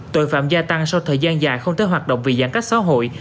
tội phạm gia tăng sau thời gian dài không tới hoạt động vì giãn cách xã hội